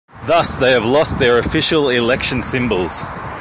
Thus they have lost their official election symbols.